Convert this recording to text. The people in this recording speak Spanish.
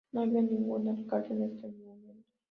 No había ningún alcalde en esos momentos.